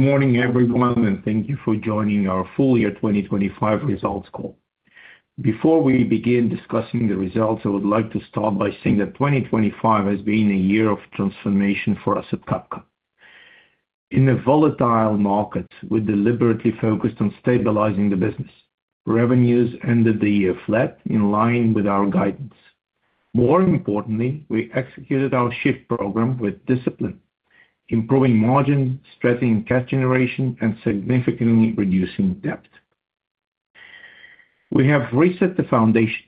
Good morning, everyone, and thank you for joining our full-year 2025 results call. Before we begin discussing the results, I would like to start by saying that 2025 has been a year of transformation for us at Cabka. In a volatile market, we deliberately focused on stabilizing the business. Revenues ended the year flat in line with our guidance. More importantly, we executed our SHIFT program with discipline, improving margin, strengthening cash generation, and significantly reducing debt. We have reset the foundation.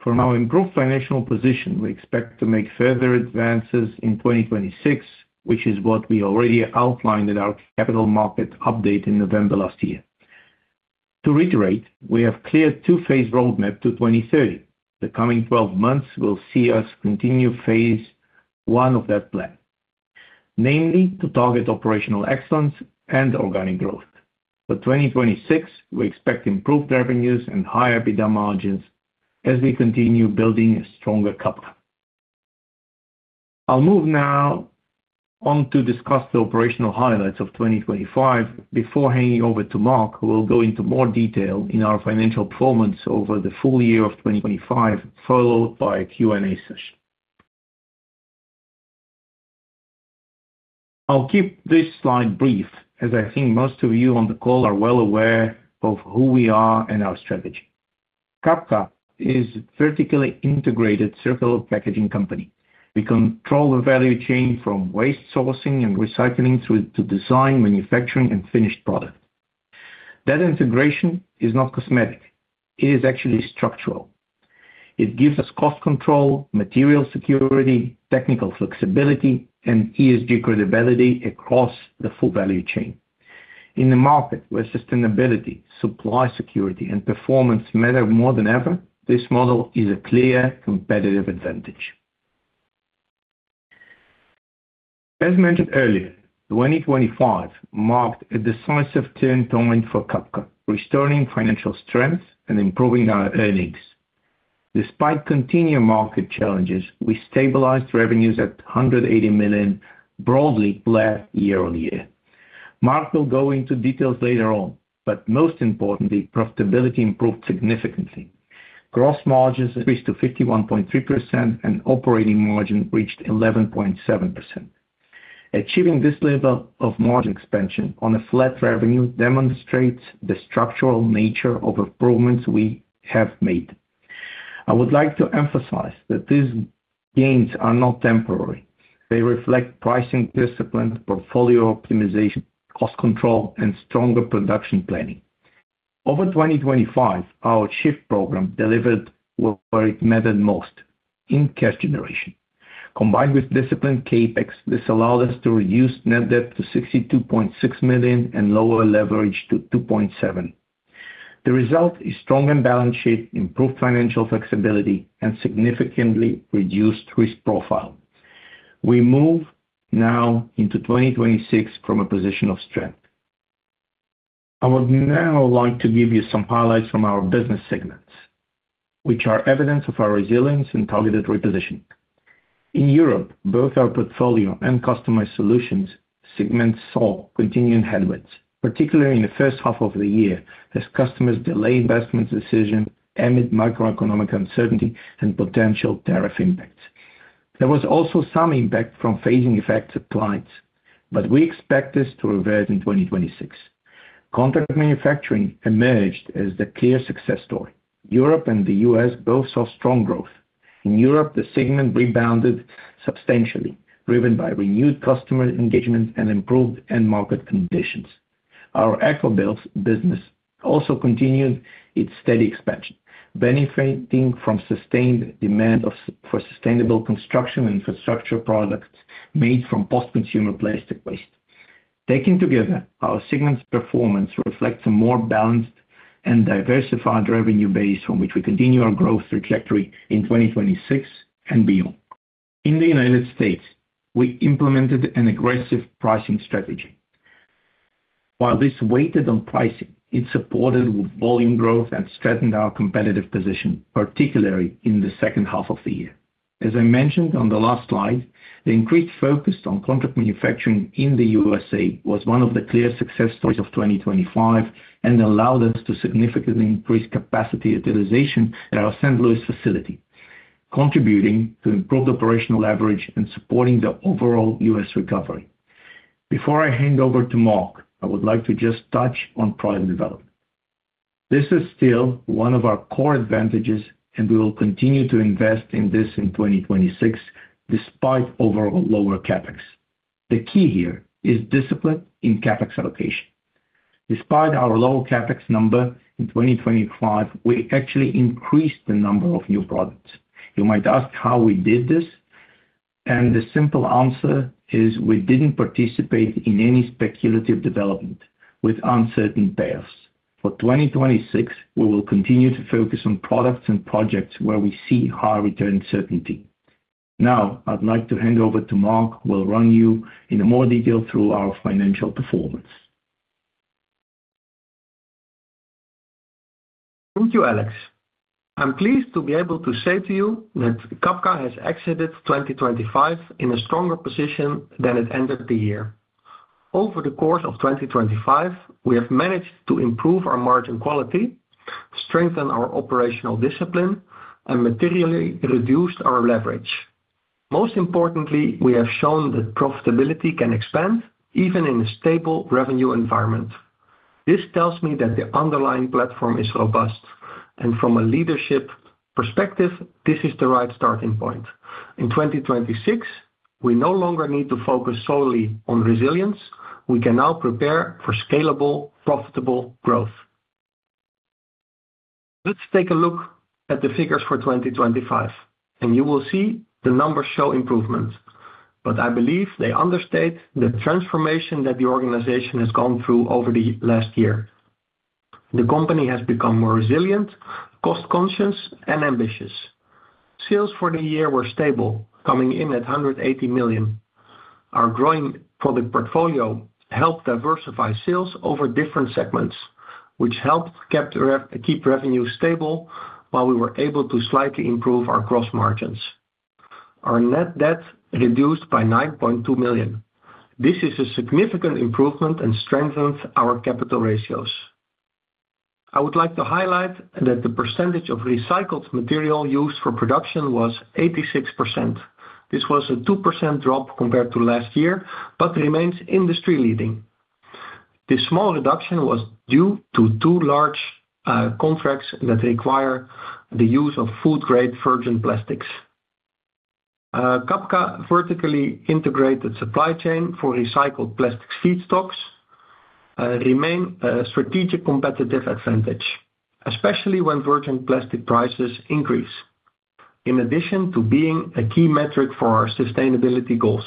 From our improved financial position, we expect to make further advances in 2026, which is what we already outlined in our capital market update in November last year. To reiterate, we have cleared two-phase roadmap to 2030. The coming 12 months will see us continue phase one of that plan, namely to target operational excellence and organic growth. For 2026, we expect improved revenues and higher EBITDA margins as we continue building a stronger Cabka. I'll move now on to discuss the operational highlights of 2025 before handing over to Mark, who will go into more detail in our financial performance over the full year of 2025, followed by a Q&A session. I'll keep this slide brief, as I think most of you on the call are well aware of who we are and our strategy. Cabka is a vertically integrated circular packaging company. We control the value chain from waste sourcing and recycling through to design, manufacturing, and finished product. That integration is not cosmetic, it is actually structural. It gives us cost control, material security, technical flexibility, and ESG credibility across the full value chain. In a market where sustainability, supply security, and performance matter more than ever, this model is a clear competitive advantage. As mentioned earlier, 2025 marked a decisive turnpoint for Cabka, restoring financial strength and improving our earnings. Despite continuing market challenges, we stabilized revenues at 180 million, broadly flat year-over-year. Mark will go into details later on. Most importantly, profitability improved significantly. Gross margins increased to 51.3% and operating margin reached 11.7%. Achieving this level of margin expansion on a flat revenue demonstrates the structural nature of improvements we have made. I would like to emphasize that these gains are not temporary. They reflect pricing discipline, portfolio optimization, cost control, and stronger production planning. Over 2025, our SHIFT program delivered where it mattered most, in cash generation. Combined with disciplined CapEx, this allowed us to reduce net debt to 62.6 million and lower leverage to 2.7. The result is strengthened balance sheet, improved financial flexibility, and significantly reduced risk profile. We move now into 2026 from a position of strength. I would now like to give you some highlights from our business segments, which are evidence of our resilience and targeted repositioning. In Europe, both our portfolio and customer solutions segments saw continuing headwinds, particularly in the first half of the year, as customers delayed investment decision amid macroeconomic uncertainty and potential tariff impacts. There was also some impact from phasing effects applied, but we expect this to reverse in 2026. Contract manufacturing emerged as the clear success story. Europe and the U.S. both saw strong growth. In Europe, the segment rebounded substantially, driven by renewed customer engagement and improved end market conditions. Our EquoBuild business also continued its steady expansion, benefiting from sustained demand for sustainable construction infrastructure products made from post-consumer plastic waste. Taken together, our segments performance reflects a more balanced and diversified revenue base from which we continue our growth trajectory in 2026 and beyond. In the United States, we implemented an aggressive pricing strategy. While this waited on pricing, it supported volume growth and strengthened our competitive position, particularly in the second half of the year. As I mentioned on the last slide, the increased focus on contract manufacturing in the USA was one of the clear success stories of 2025, and allowed us to significantly increase capacity utilization at our St. Louis facility, contributing to improved operational leverage and supporting the overall U.S. recovery. Before I hand over to Mark, I would like to just touch on product development. This is still one of our core advantages. We will continue to invest in this in 2026, despite overall lower CapEx. The key here is discipline in CapEx allocation. Despite our low CapEx number in 2025, we actually increased the number of new products. You might ask how we did this. The simple answer is we didn't participate in any speculative development with uncertain payoffs. For 2026, we will continue to focus on products and projects where we see high return certainty. I'd like to hand over to Mark, who will run you into more detail through our financial performance. Thank you, Alex. I'm pleased to be able to say to you that Cabka has exited 2025 in a stronger position than it ended the year. Over the course of 2025, we have managed to improve our margin quality, strengthen our operational discipline and materially reduced our leverage. Most importantly, we have shown that profitability can expand even in a stable revenue environment. This tells me that the underlying platform is robust and from a leadership perspective, this is the right starting point. In 2026, we no longer need to focus solely on resilience. We can now prepare for scalable, profitable growth. Let's take a look at the figures for 2025 and you will see the numbers show improvement. I believe they understate the transformation that the organization has gone through over the last year. The company has become more resilient, cost conscious and ambitious. Sales for the year were stable, coming in at 180 million. Our growing product portfolio helped diversify sales over different segments, which helped keep revenue stable while we were able to slightly improve our gross margins. Our net debt reduced by 9.2 million. This is a significant improvement and strengthens our capital ratios. I would like to highlight that the percentage of recycled material used for production was 86%. This was a 2% drop compared to last year, but remains industry leading. This small reduction was due to two large contracts that require the use of food-grade virgin plastics. Cabka vertically integrated supply chain for recycled plastics feedstocks remain a strategic competitive advantage, especially when virgin plastic prices increase. In addition to being a key metric for our sustainability goals.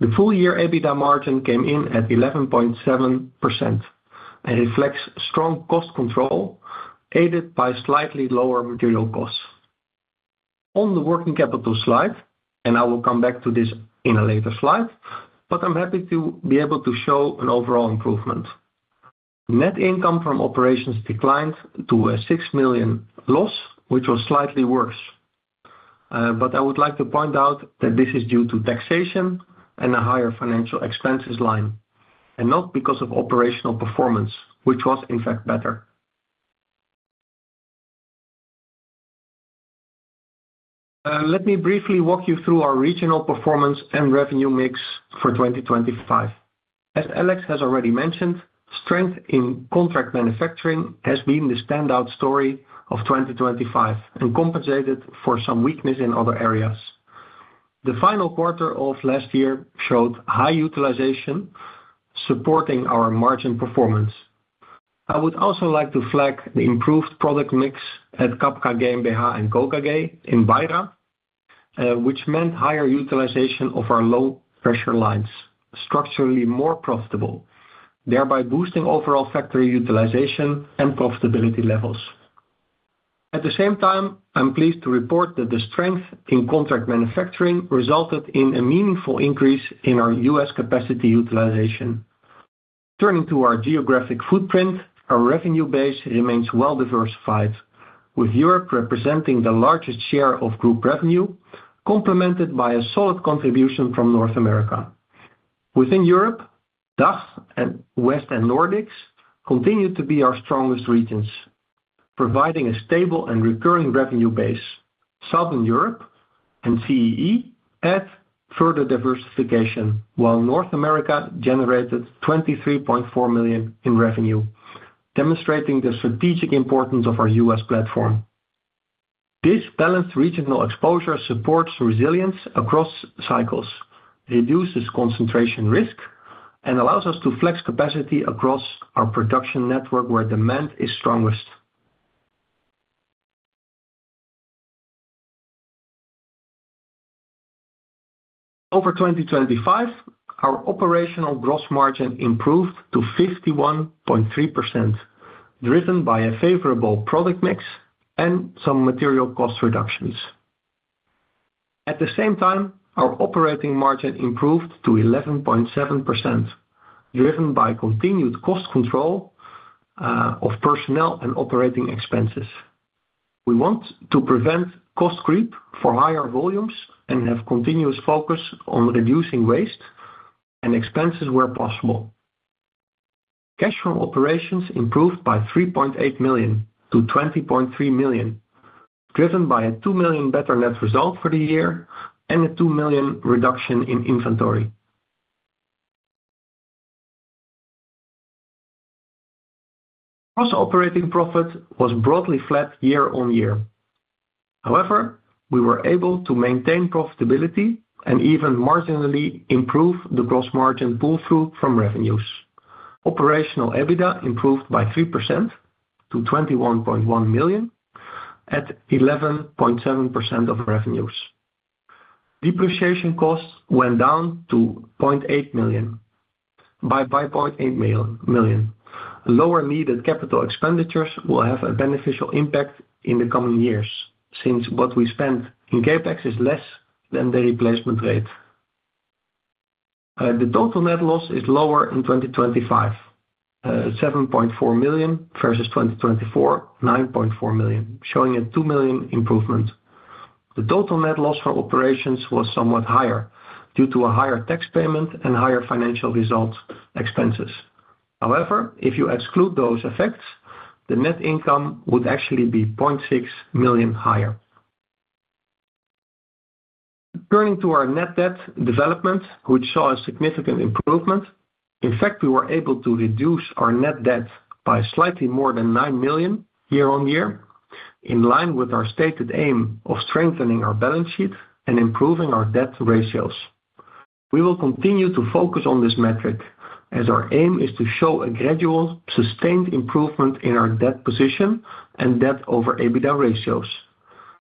The full year EBITDA margin came in at 11.7% and reflects strong cost control, aided by slightly lower material costs. On the working capital slide, and I will come back to this in a later slide, but I'm happy to be able to show an overall improvement. Net income from operations declined to a 6 million loss, which was slightly worse. I would like to point out that this is due to taxation and a higher financial expenses line, and not because of operational performance, which was in fact better. Let me briefly walk you through our regional performance and revenue mix for 2025. As Alex has already mentioned, strength in contract manufacturing has been the standout story of 2025 and compensated for some weakness in other areas. The final quarter of last year showed high utilization supporting our margin performance. I would also like to flag the improved product mix at Cabka GmbH & Co. KG in Weira, which meant higher utilization of our low pressure lines, structurally more profitable, thereby boosting overall factory utilization and profitability levels. At the same time, I'm pleased to report that the strength in contract manufacturing resulted in a meaningful increase in our U.S. capacity utilization. Turning to our geographic footprint, our revenue base remains well-diversified, with Europe representing the largest share of group revenue, complemented by a solid contribution from North America. Within Europe, DACH and West and Nordics continue to be our strongest regions, providing a stable and recurring revenue base. Southern Europe and CEE add further diversification, while North America generated 23.4 million in revenue, demonstrating the strategic importance of our U.S. platform. This balanced regional exposure supports resilience across cycles, reduces concentration risk, and allows us to flex capacity across our production network where demand is strongest. Over 2025, our operational gross margin improved to 51.3%, driven by a favorable product mix and some material cost reductions. At the same time, our operating margin improved to 11.7%, driven by continued cost control of personnel and operating expenses. We want to prevent cost creep for higher volumes and have continuous focus on reducing waste and expenses where possible. Cash from operations improved by 3.8 million to 20.3 million, driven by a 2 million better net result for the year and a 2 million reduction in inventory. Gross operating profit was broadly flat year-over-year. We were able to maintain profitability and even marginally improve the gross margin pull through from revenues. Operational EBITDA improved by 3% to 21.1 million at 11.7% of revenues. Depreciation costs went down to 0.8 million by 5.8 million. Lower needed capital expenditures will have a beneficial impact in the coming years, since what we spend in CapEx is less than the replacement rate. The total net loss is lower in 2025, 7.4 million versus 2024, 9.4 million, showing a 2 million improvement. The total net loss for operations was somewhat higher due to a higher tax payment and higher financial results expenses. If you exclude those effects, the net income would actually be 0.6 million higher. Turning to our net debt development, which saw a significant improvement. In fact, we were able to reduce our net debt by slightly more than 9 million year-on-year, in line with our stated aim of strengthening our balance sheet and improving our debt ratios. We will continue to focus on this metric as our aim is to show a gradual, sustained improvement in our debt position and debt over EBITDA ratios.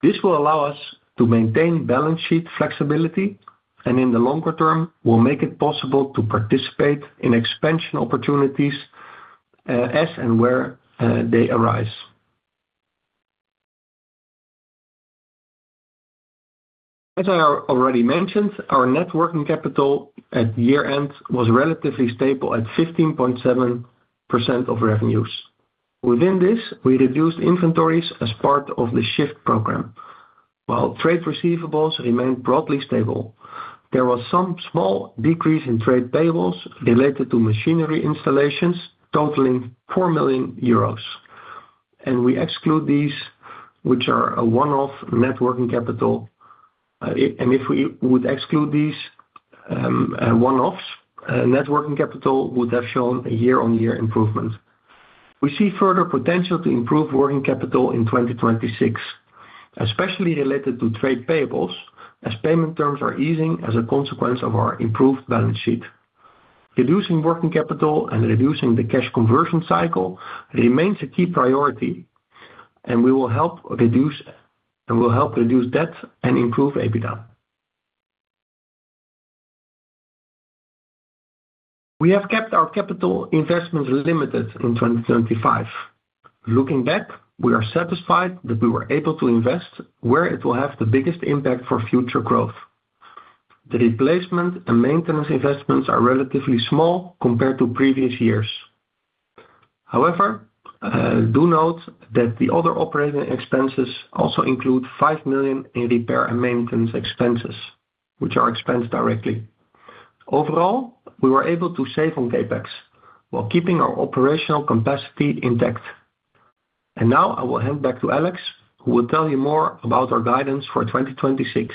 This will allow us to maintain balance sheet flexibility and in the longer term, will make it possible to participate in expansion opportunities as and where they arise. As I already mentioned, our net working capital at year-end was relatively stable at 15.7% of revenues. Within this, we reduced inventories as part of the SHIFT program. While trade receivables remained broadly stable, there was some small decrease in trade payables related to machinery installations totaling 4 million euros, and we exclude these, which are a one-off net working capital. If we would exclude these one-offs, net working capital would have shown a year-on-year improvement. We see further potential to improve working capital in 2026, especially related to trade payables as payment terms are easing as a consequence of our improved balance sheet. Reducing working capital and reducing the cash conversion cycle remains a key priority, and will help reduce debt and improve EBITDA. We have kept our capital investments limited in 2025. Looking back, we are satisfied that we were able to invest where it will have the biggest impact for future growth. The replacement and maintenance investments are relatively small compared to previous years. However, do note that the other operating expenses also include 5 million in repair and maintenance expenses, which are expensed directly. Overall, we were able to save on CapEx while keeping our operational capacity intact. Now I will hand back to Alex, who will tell you more about our guidance for 2026.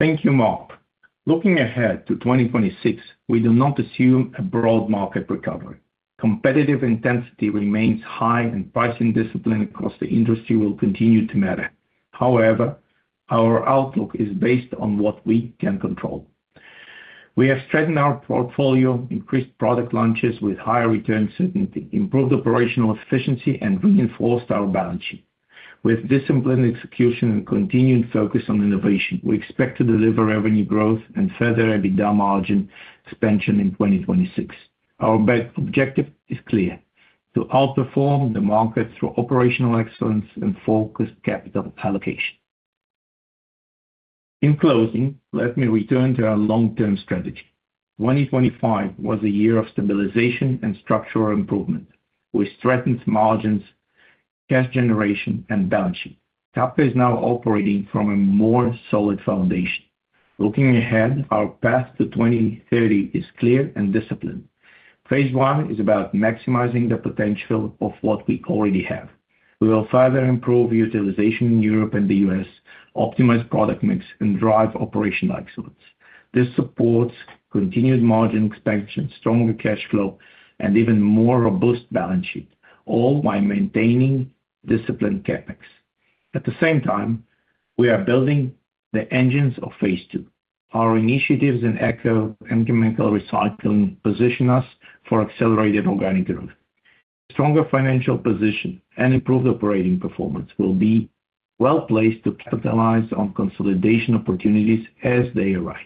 Thank you, Mark. Looking ahead to 2026, we do not assume a broad market recovery. Competitive intensity remains high and pricing discipline across the industry will continue to matter. However, our outlook is based on what we can control. We have strengthened our portfolio, increased product launches with higher return certainty, improved operational efficiency, and reinforced our balance sheet. With disciplined execution and continued focus on innovation, we expect to deliver revenue growth and further EBITDA margin expansion in 2026. Our objective is clear: to outperform the market through operational excellence and focused capital allocation. In closing, let me return to our long-term strategy. 2025 was a year of stabilization and structural improvement, which threatens margins, cash generation, and balance sheet. Cabka is now operating from a more solid foundation. Looking ahead, our path to 2030 is clear and disciplined. Phase one is about maximizing the potential of what we already have. We will further improve utilization in Europe and the U.S., optimize product mix, and drive operational excellence. This supports continued margin expansion, stronger cash flow, and even more robust balance sheet, all while maintaining disciplined CapEx. At the same time, we are building the engines of phase two. Our initiatives in eco incremental recycling position us for accelerated organic growth. Stronger financial position and improved operating performance will be well placed to capitalize on consolidation opportunities as they arise.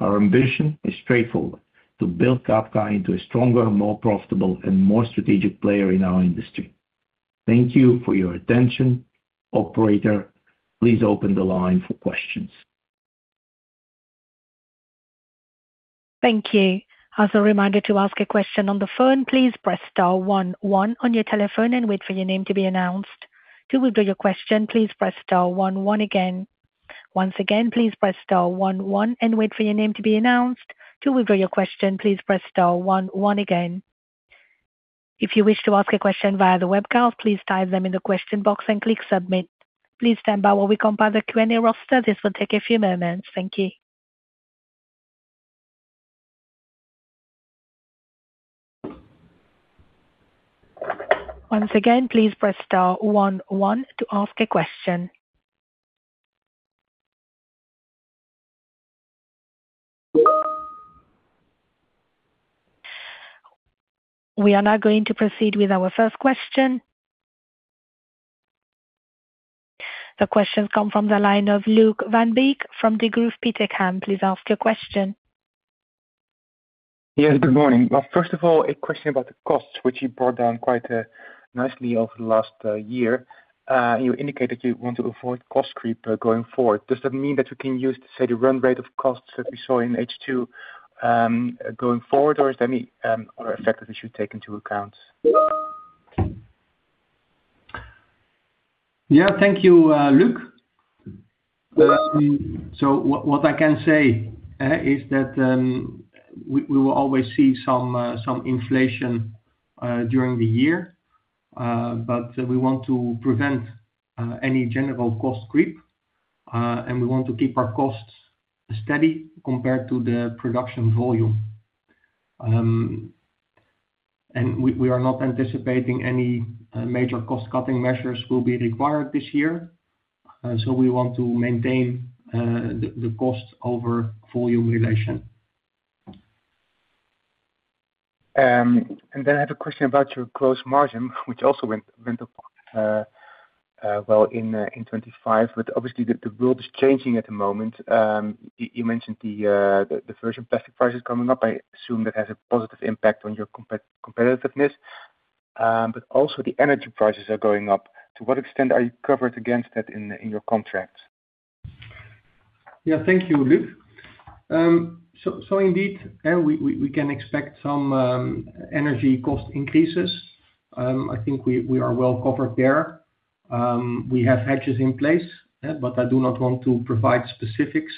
Our ambition is straightforward, to build Cabka into a stronger, more profitable, and more strategic player in our industry. Thank you for your attention. Operator, please open the line for questions. Thank you. As a reminder, to ask a question on the phone, please press star one one on your telephone and wait for your name to be announced. To withdraw your question, please press star one one again. Once again, please press star one one and wait for your name to be announced. To withdraw your question, please press star one one again. If you wish to ask a question via the webcast, please type them in the question box and click submit. Please stand by while we compile the Q&A roster. This will take a few moments. Thank you. Once again, please press star one one to ask a question. We are now going to proceed with our first question. The question comes from the line of Luuk van Beek from Degroof Petercam. Please ask your question. First of all, a question about the costs, which you brought down quite nicely over the last year. You indicated you want to avoid cost creep going forward. Does that mean that we can use, say, the run rate of costs that we saw in H2 going forward? Is there any other effect that we should take into account? Yeah, thank you, Luuk. What I can say is that we will always see some inflation during the year, but we want to prevent any general cost creep, and we want to keep our costs steady compared to the production volume. We are not anticipating any major cost-cutting measures will be required this year. We want to maintain the cost over volume relation. I have a question about your gross margin, which also went up, well, in 2025. Obviously the world is changing at the moment. You mentioned the virgin plastic prices coming up. I assume that has a positive impact on your competitiveness. Also the energy prices are going up. To what extent are you covered against that in your contracts? Thank you, Luuk. Indeed, we can expect some energy cost increases. I think we are well covered there. We have hedges in place, but I do not want to provide specifics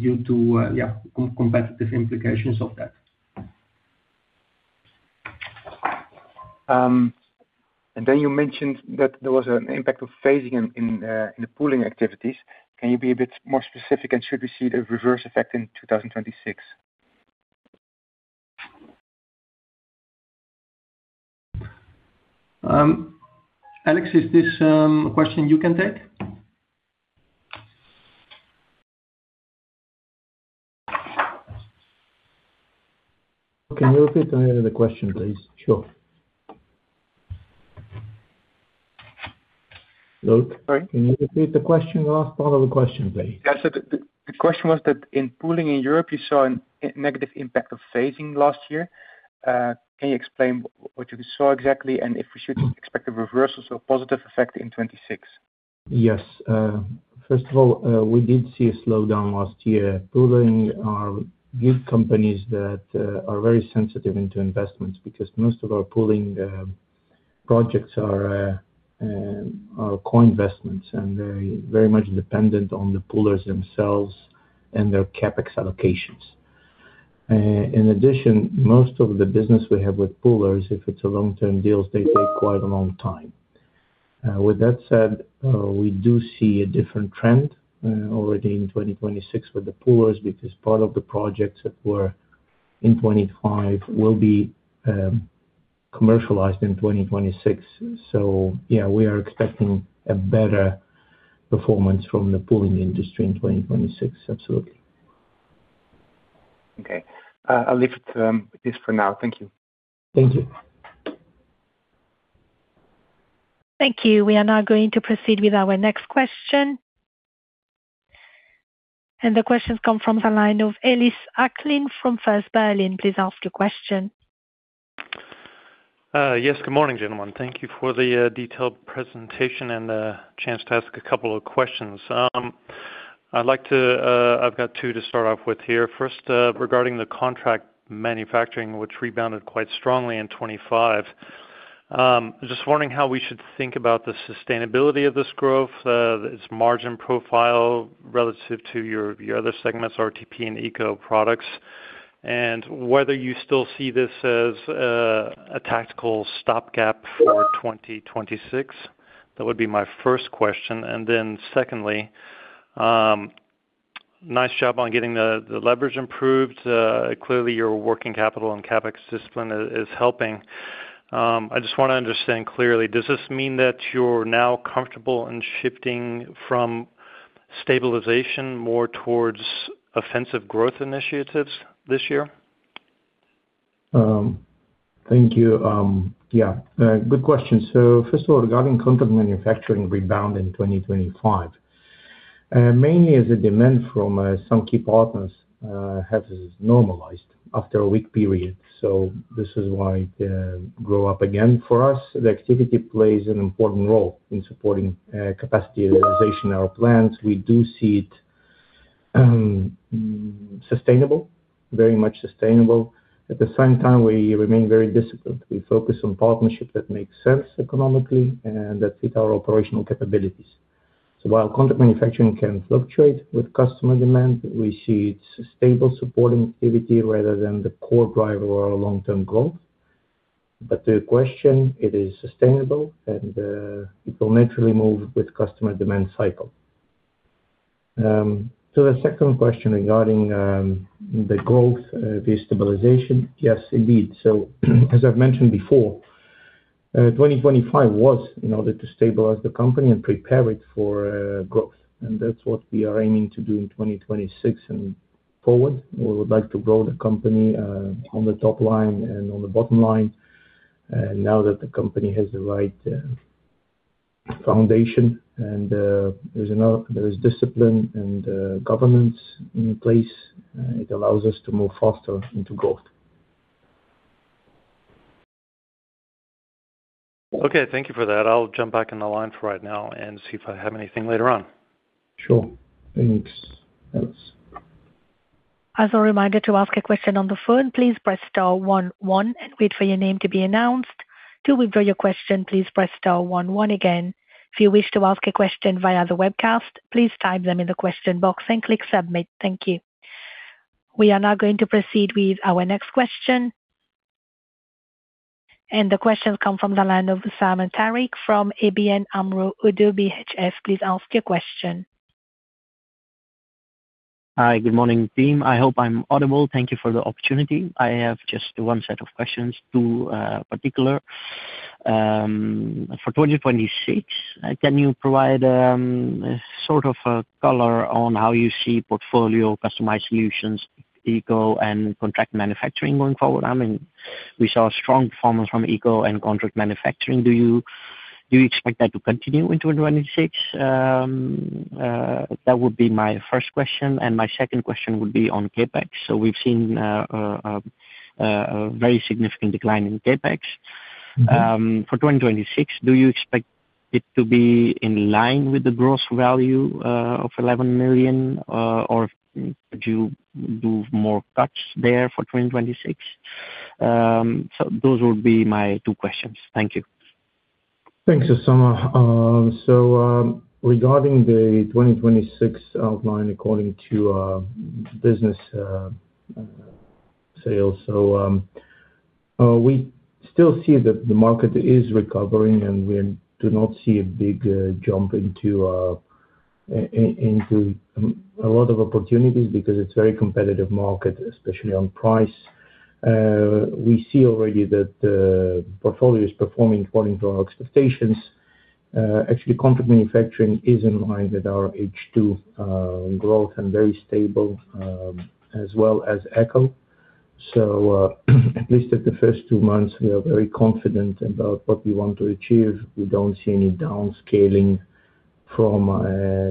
due to competitive implications of that. Then you mentioned that there was an impact of phasing in the pooling activities. Can you be a bit more specific, and should we see the reverse effect in 2026? Alex, is this a question you can take? Can you repeat the end of the question, please? Sure. Luuk- Sorry. Can you repeat the question, last part of the question, please? Yes. The question was that in pooling in Europe, you saw a negative impact of phasing last year. Can you explain what you saw exactly and if we should expect a reversal, so a positive effect in 2026? Yes. First of all, we did see a slowdown last year. Pooling are big companies that are very sensitive into investments because most of our pooling projects are co-investments and very, very much dependent on the poolers themselves and their CapEx allocations. In addition, most of the business we have with poolers, if it's a long-term deals, they take quite a long time. With that said, we do see a different trend already in 2026 with the poolers because part of the projects that were in 2025 will be commercialized in 2026. Yeah, we are expecting a better performance from the pooling industry in 2026. Absolutely. Okay. I'll leave it at this for now. Thank you. Thank you. Thank you. We are now going to proceed with our next question. The question's come from the line of Ellis Acklin from First Berlin. Please ask your question. Yes. Good morning, gentlemen. Thank you for the detailed presentation and the chance to ask a couple of questions. I've got two to start off with here. First, regarding the contract manufacturing, which rebounded quite strongly in 2025. Just wondering how we should think about the sustainability of this growth, its margin profile relative to your other segments, RTP and eco products, and whether you still see this as a tactical stopgap for 2026? That would be my first question. Secondly, nice job on getting the leverage improved. Clearly your net working capital and CapEx discipline is helping. I just wanna understand clearly, does this mean that you're now comfortable in shifting from stabilization more towards offensive growth initiatives this year? Thank you. Yeah. Good question. First of all, regarding contract manufacturing rebound in 2025, mainly is the demand from some key partners has normalized after a weak period. This is why grow up again. For us, the activity plays an important role in supporting capacity utilization in our plans. We do see it sustainable, very much sustainable. At the same time, we remain very disciplined. We focus on partnerships that make sense economically and that fit our operational capabilities. While contract manufacturing can fluctuate with customer demand, we see it's stable supporting activity rather than the core driver of our long-term growth. To your question, it is sustainable, and it will naturally move with customer demand cycle. The second question regarding the growth, the stabilization. Yes, indeed. As I've mentioned before, 2025 was in order to stabilize the company and prepare it for growth. That's what we are aiming to do in 2026 and forward. We would like to grow the company on the top line and on the bottom line, now that the company has the right foundation and there is discipline and governance in place. It allows us to move faster into growth. Okay, thank you for that. I'll jump back in the line for right now and see if I have anything later on. Sure. Thanks. As a reminder, to ask a question on the phone, please press star one one and wait for your name to be announced. To withdraw your question, please press star one one again. If you wish to ask a question via the webcast, please type them in the question box and click submit. Thank you. We are now going to proceed with our next question. The question come from the line of Usama Tariq from ABN AMRO - ODDO BHF. Would you please ask your question? Hi. Good morning, team. I hope I'm audible. Thank you for the opportunity. I have just one set of questions. Two particular. For 2026, can you provide sort of a color on how you see portfolio customized solutions, eco and contract manufacturing going forward? I mean, we saw strong performance from eco and contract manufacturing. Do you expect that to continue in 2026? That would be my first question. My second question would be on CapEx. We've seen a very significant decline in CapEx. For 2026, do you expect it to be in line with the gross value of 11 million? Or would you do more cuts there for 2026? Those would be my two questions. Thank you. Thanks, Osama. Regarding the 2026 outline according to business sales. We still see that the market is recovering, and we do not see a big jump into a lot of opportunities because it's very competitive market, especially on price. We see already that the portfolio is performing according to our expectations. Actually, contract manufacturing is in line with our H2 growth and very stable, as well as eco. At least at the first two months, we are very confident about what we want to achieve. We don't see any downscaling from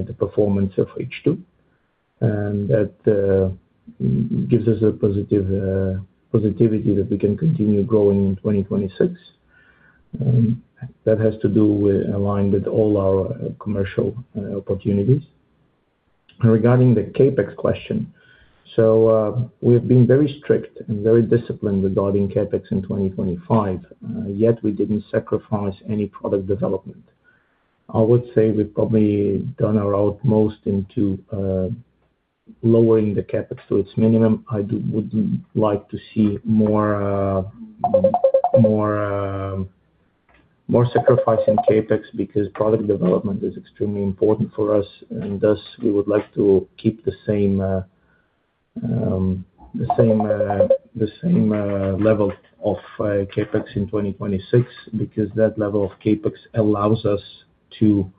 the performance of H2, that gives us a positive positivity that we can continue growing in 2026. That has to do with aligned with all our commercial opportunities. Regarding the CapEx question. We've been very strict and very disciplined regarding CapEx in 2025. Yet we didn't sacrifice any product development. I would say we've probably done our utmost into lowering the CapEx to its minimum. I wouldn't like to see more, more, more sacrifice in CapEx because product development is extremely important for us, and thus, we would like to keep the same, the same, the same level of CapEx in 2026, because that level of CapEx allows us to,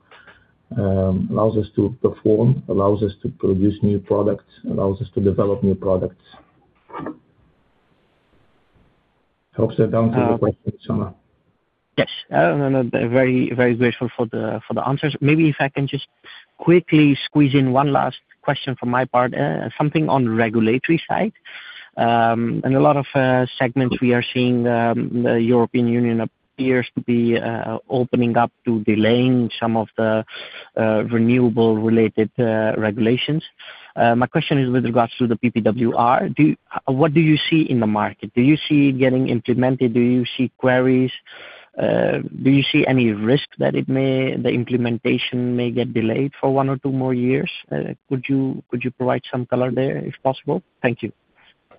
allows us to perform, allows us to produce new products, allows us to develop new products. I hope that answers your question, Osama. Yes. No, no. Very, very grateful for the answers. Maybe if I can just quickly squeeze in one last question from my part, something on regulatory side. In a lot of segments we are seeing, the European Union appears to be opening up to delaying some of the renewable related regulations. My question is with regards to the PPWR, what do you see in the market? Do you see it getting implemented? Do you see queries? Do you see any risk that the implementation may get delayed for one or two more years? Could you provide some color there, if possible? Thank you.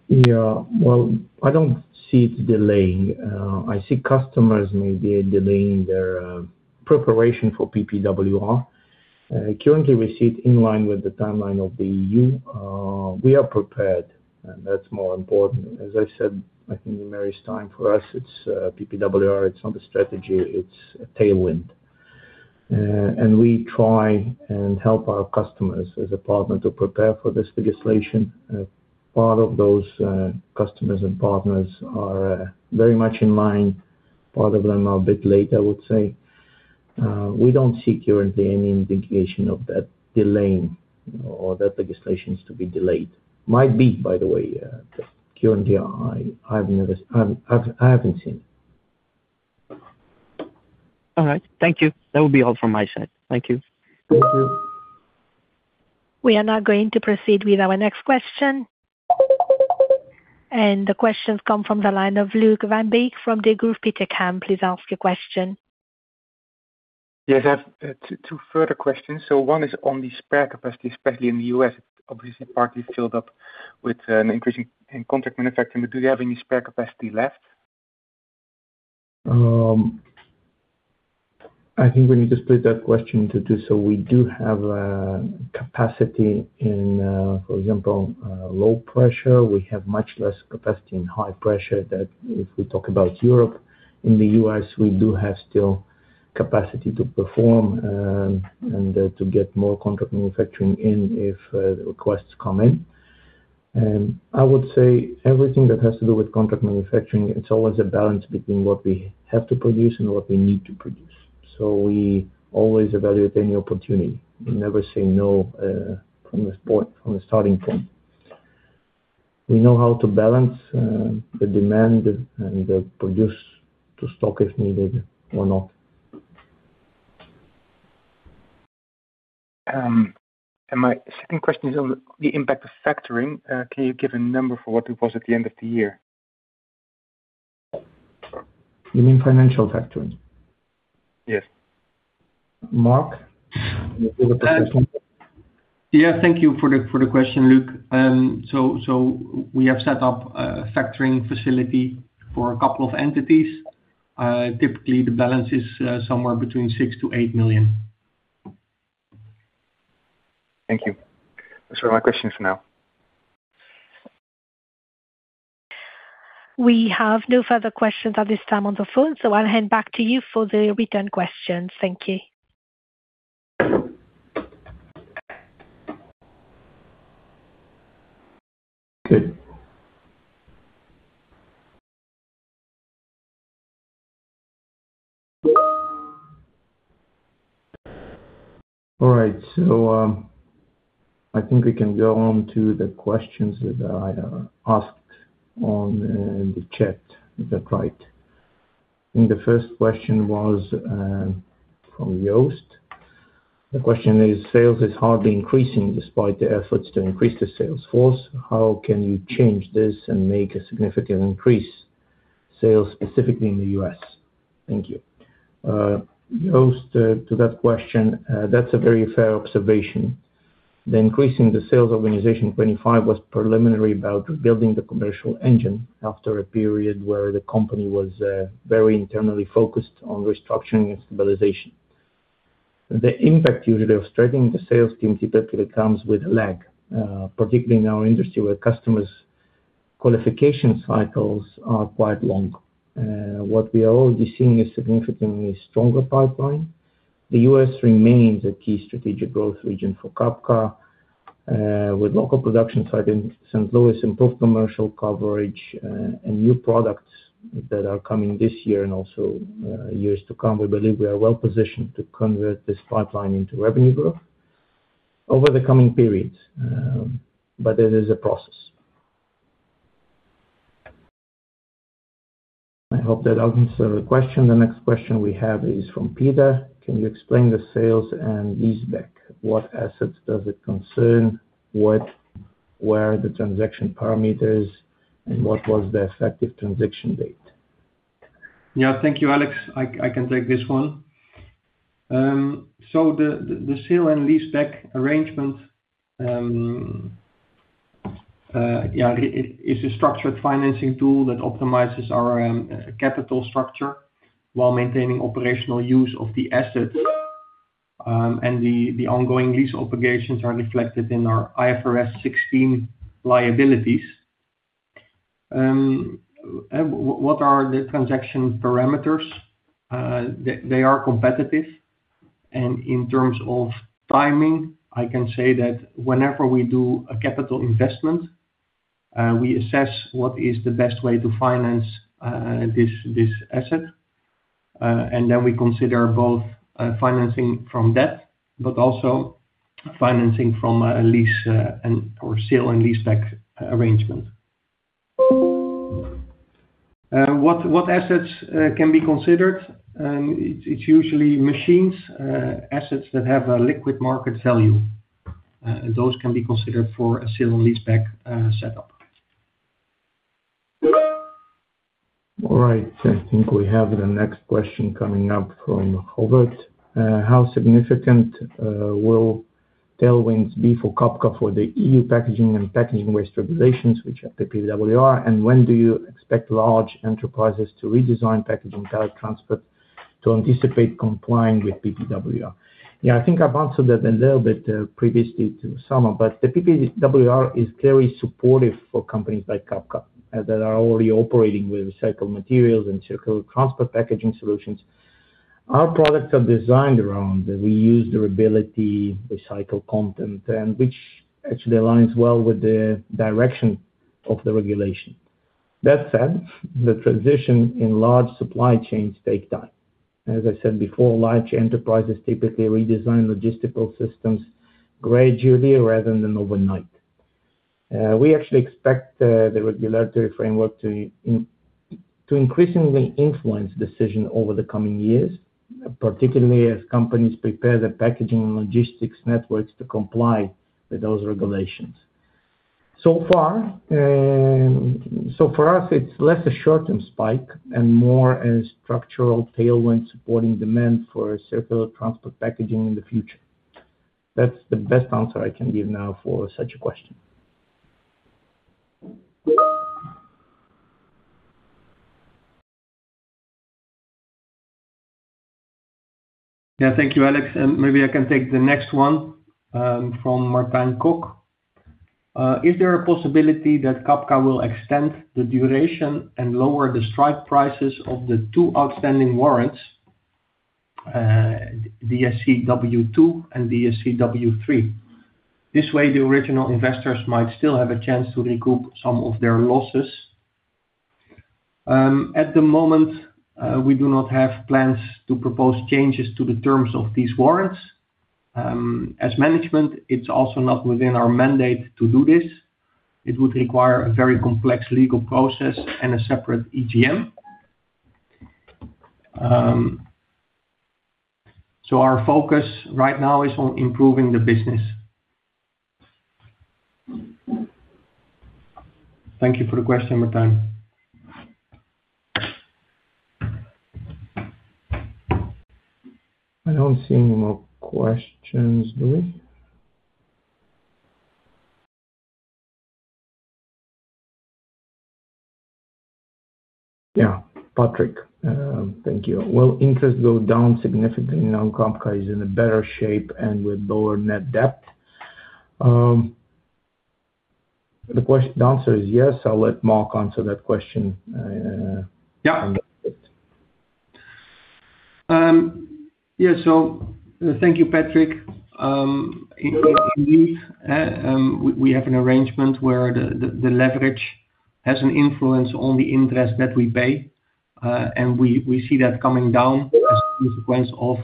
Yeah. Well, I don't see it delaying. I see customers maybe delaying their preparation for PPWR. Currently we see it in line with the timeline of the EU. We are prepared, and that's more important. As I said, I think many times, for us it's PPWR, it's not a strategy, it's a tailwind. We try and help our customers as a partner to prepare for this legislation. Part of those customers and partners are very much in line. Part of them are a bit late, I would say. We don't see currently any indication of that delaying or that legislation is to be delayed. Might be, by the way, currently, I haven't seen. All right. Thank you. That would be all from my side. Thank you. Thank you. We are now going to proceed with our next question. The question come from the line of Luuk van Beek from Degroof Petercam. Please ask your question. Yes. I have two further questions. One is on the spare capacity, especially in the U.S., obviously partly filled up with an increase in contract manufacturing. Do you have any spare capacity left? I think we need to split that question into two. We do have capacity in, for example, low pressure. We have much less capacity in high pressure that if we talk about Europe and the U.S., we do have still capacity to perform, and to get more contract manufacturing in if the requests come in. I would say everything that has to do with contract manufacturing, it's always a balance between what we have to produce and what we need to produce. We always evaluate any opportunity. We never say no from the starting point. We know how to balance the demand and produce to stock if needed or not. My second question is on the impact of factoring. Can you give a number for what it was at the end of the year? You mean financial factoring? Yes. Mark? Yeah. Thank you for the question, Luuk. We have set up a factoring facility for a couple of entities. Typically the balance is somewhere between 6 million-8 million. Thank you. Those were my questions for now. We have no further questions at this time on the phone. I'll hand back to you for the return questions. Thank you. Good. All right. I think we can go on to the questions that I asked on the chat. Is that right? I think the first question was from [Jost]. The question is, sales is hardly increasing despite the efforts to increase the sales force. How can you change this and make a significant increase sales specifically in the U.S.? Thank you. [Jost], to that question, that's a very fair observation. The increase in the sales organization in 2025 was preliminary about building the commercial engine after a period where the company was very internally focused on restructuring and stabilization. The impact usually of strengthening the sales team typically comes with lag, particularly in our industry, where customers' qualification cycles are quite long. What we are already seeing is significantly stronger pipeline. The U.S. remains a key strategic growth region for Cabka, with local production site in St. Louis, improved commercial coverage, and new products that are coming this year and also years to come. We believe we are well-positioned to convert this pipeline into revenue growth over the coming periods, but it is a process. I hope that answers the question. The next question we have is from Peter: Can you explain the sale and leaseback? What assets does it concern? What were the transaction parameters and what was the effective transaction date? Yeah. Thank you, Alex. I can take this one. The sale and leaseback arrangement, yeah, it is a structured financing tool that optimizes our capital structure while maintaining operational use of the assets. The ongoing lease obligations are reflected in our IFRS 16 liabilities. What are the transaction parameters? They are competitive and in terms of timing, I can say that whenever we do a capital investment, we assess what is the best way to finance this asset, and then we consider both financing from debt but also financing from a lease and/or sale and leaseback arrangement. What assets can be considered? It's usually machines, assets that have a liquid market value. Those can be considered for a sale and leaseback setup. All right. I think we have the next question coming up from Robert. How significant will tailwinds be for Cabka for the EU Packaging and Packaging Waste Regulation, which are the PPWR, and when do you expect large enterprises to redesign packaging direct transport to anticipate complying with PPWR? I think I've answered that a little bit previously to some of, but the PPWR is very supportive for companies like Cabka, as that are already operating with recycled materials and circular transport packaging solutions. Our products are designed around the reuse durability, recycled content, and which actually aligns well with the direction of the regulation. That said, the transition in large supply chains take time. As I said before, large enterprises typically redesign logistical systems gradually rather than overnight. We actually expect the regulatory framework to increasingly influence decision over the coming years, particularly as companies prepare their packaging logistics networks to comply with those regulations. So far, for us it's less a short-term spike and more a structural tailwind supporting demand for circular transport packaging in the future. That's the best answer I can give now for such a question. Yeah. Thank you, Alex. Maybe I can take the next one, from Martin Cook. Is there a possibility that Cabka will extend the duration and lower the strike prices of the two outstanding warrants? DSCW2 and DSCW3. This way, the original investors might still have a chance to recoup some of their losses. At the moment, we do not have plans to propose changes to the terms of these warrants. As management, it's also not within our mandate to do this. It would require a very complex legal process and a separate EGM. Our focus right now is on improving the business. Thank you for the question, Martin. I don't see any more questions, do we? Yeah. Patrick, thank you. Will interest go down significantly now Cabka is in a better shape and with lower net debt? The answer is yes. I'll let Mark answer that question. Yeah. Yeah. Thank you, Patrick. Indeed, we have an arrangement where the leverage has an influence on the interest that we pay, and we see that coming down as a consequence of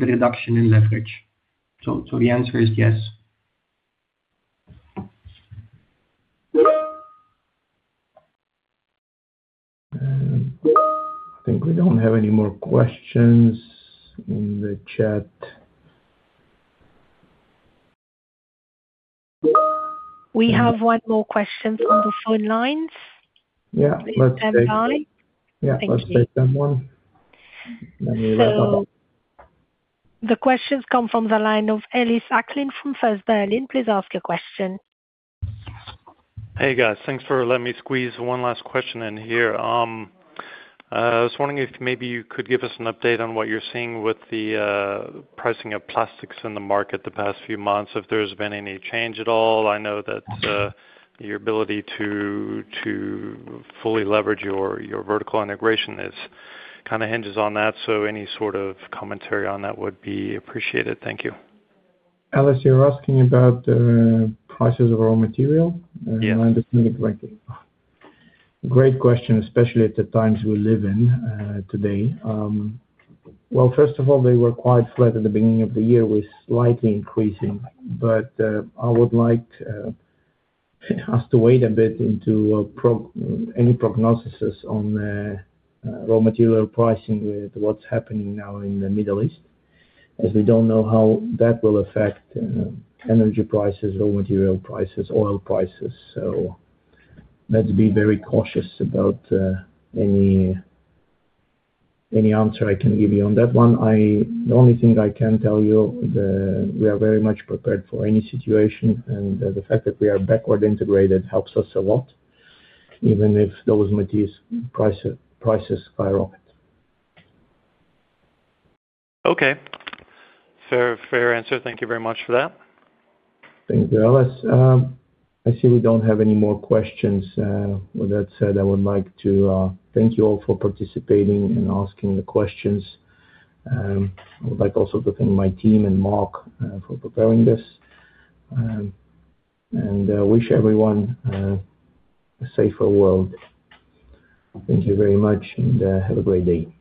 the reduction in leverage. The answer is yes. I think we don't have any more questions in the chat. We have one more question on the phone lines. Yeah. Let's take it. It's Dan Darley. Thank you. Yeah, let's take that one. We wrap up. The questions come from the line of Ellis Acklin from First Berlin. Please ask your question. Hey, guys. Thanks for letting me squeeze one last question in here. I was wondering if maybe you could give us an update on what you're seeing with the pricing of plastics in the market the past few months, if there's been any change at all. I know that your ability to fully leverage your vertical integration kinda hinges on that. Any sort of commentary on that would be appreciated. Thank you. Ellis, you're asking about the prices of raw material? Yeah. Let me repeat it right there. Great question, especially at the times we live in today. Well, first of all, they were quite flat at the beginning of the year. We're slightly increasing. It has to wait a bit into any prognoses on raw material pricing with what's happening now in the Middle East, as we don't know how that will affect energy prices or material prices, oil prices. Let's be very cautious about any answer I can give you on that one. The only thing I can tell you, we are very much prepared for any situation, and the fact that we are backward integrated helps us a lot, even if those materials prices skyrocket. Okay. Fair, fair answer. Thank you very much for that. Thank you, Ellis. I see we don't have any more questions. With that said, I would like to thank you all for participating and asking the questions. I would like also to thank my team and Mark for preparing this. Wish everyone a safer world. Thank you very much, and have a great day.